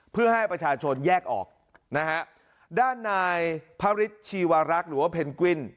เพื่อให้ประชาชนแยกออกนะฮะด้านนายพระฤทธิวรักษ์หรือว่าเพนกวิน